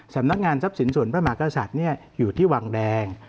สำนักงานทรัพย์สินส่วนพระมหากษัตริย์อยู่ที่วังแดง